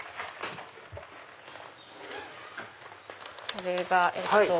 これが。